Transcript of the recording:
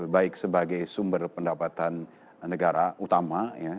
baik sebagai sumber pendapatan negara utama